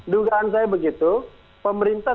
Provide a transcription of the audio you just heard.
dugaan saya begitu pemerintah